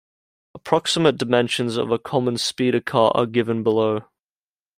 Approximate dimensions of a common speeder car are given below.